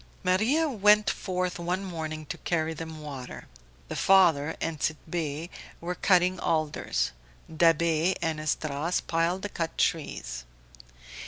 Maria went forth one morning to carry them water. The father and Tit'Bé were cutting alders, Da'Be and Esdras piled the cut trees.